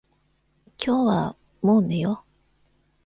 今日はもう寝よう。